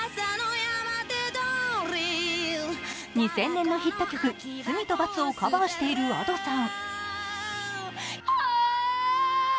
２０００年のヒット曲「罪と罰」カバーしているＡｄｏさん。